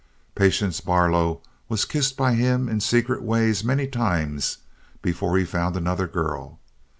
Patience Barlow was kissed by him in secret ways many times before he found another girl.